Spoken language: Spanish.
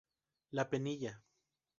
La Penilla.